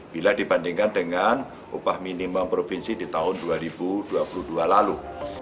bila dibandingkan dengan upah minimum provinsi di tahun dua ribu dua puluh dua lalu